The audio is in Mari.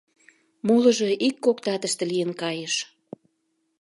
Молыжо ик-кок татыште лийын кайыш.